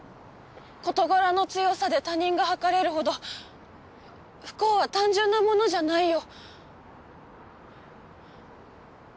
事柄の強さで他人が測れるほど不幸は単純なものじゃないよ。